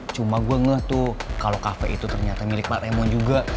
cuma gue ngeh tuh kalau cafe itu ternyata milik pak lemon juga